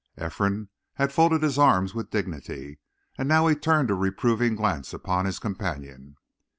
Ephraim had folded his arms with dignity, and now he turned a reproving glance upon his companion.